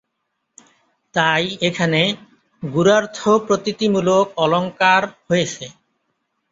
তাই এখানে গূঢ়ার্থপ্রতীতিমূলক অলঙ্কার হয়েছে।